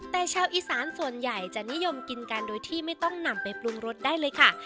แต่ชาวอีสานส่วนใหญ่จะนิยมกินกันโดยที่ไม่ต้องนำไปปรุงรสได้เลยค่ะ